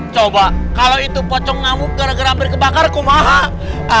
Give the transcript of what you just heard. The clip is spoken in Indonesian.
coba kalau itu pocong ngamuk gara gara hampir kebakar kumah